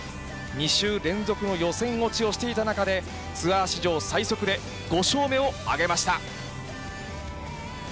２週連続の予選落ちをしていた中で、ツアー史上最速で５勝目を挙げました。